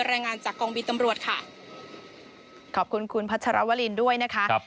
รายงานจากกองบินตำรวจค่ะขอบคุณคุณพัชรวรินด้วยนะคะครับ